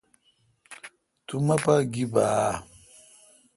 تو مہ پاگیبہ اہ؟